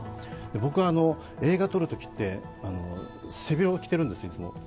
僕は映画を撮るときって背広を着てるんですよ、いつも。